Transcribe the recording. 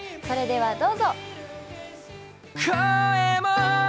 それではどうぞ！